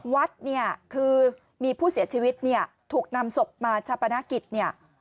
วัดเนี่ยคือมีผู้เสียชีวิตเนี่ยถูกนำศพมาชาปนกิจเนี่ย